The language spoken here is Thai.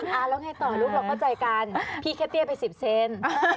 แล้วไงต่อลูกเราก็ใจการพี่แค่เตี้ยไป๑๐เซนติเซน